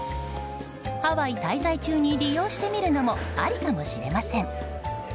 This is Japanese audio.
ハワイ滞在中に利用してみるのもありかもしれません。